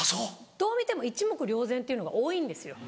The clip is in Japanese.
どう見ても一目瞭然っていうのが多いんですよ。